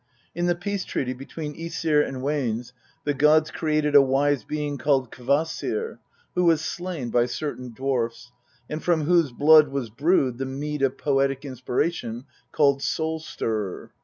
In the peace treaty between JEsir and Wanes the gods created a wise being called Kvasir, who was slain by certain dwarfs, and from whose blood was brewed the mead of poetic inspiration called Soul stirrer.